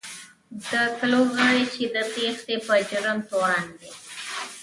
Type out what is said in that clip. د کلو غړي چې د تېښتې په جرم تورن دي.